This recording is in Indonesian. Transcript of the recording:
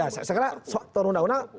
ya saya kira satu undang undang